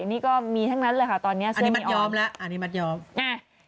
อันนี้ก็มีทั้งนั้นเลยค่ะตอนนี้เสื้อท้อนแสงออนอันนี้มัดย้อมแล้ว